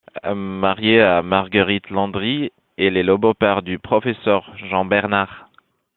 Marié à Marguerite Landry, il est le beau-père du professeur Jean Bernard.